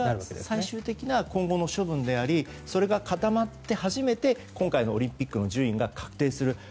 それが最終的な今後の処分でありそれが固まって初めて今回のオリンピックの順位が確定する。